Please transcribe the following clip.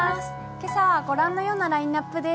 今朝は御覧のようなラインナップです。